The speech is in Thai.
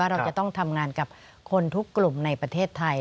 เราจะต้องทำงานกับคนทุกกลุ่มในประเทศไทย